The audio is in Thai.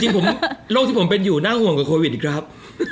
จริงโรคที่ผมเป็นอยู่น่าห่วงกับโควิดครับ